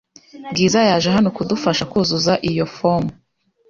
Bwiza yaje hano kudufasha kuzuza iyi fomu